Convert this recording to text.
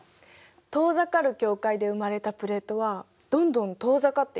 遠ざかる境界で生まれたプレートはどんどん遠ざかっていくよね。